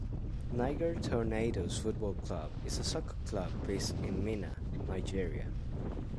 Niger Tornadoes Football Club is a soccer club based in Minna, Nigeria.